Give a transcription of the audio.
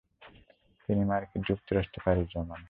তিনি মার্কিন যুক্তরাষ্ট্রে পাড়ি জমান।